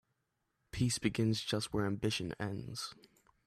Peace begins just where ambition ends.